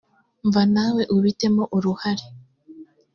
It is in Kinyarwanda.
mva nawe ubi temo uruhare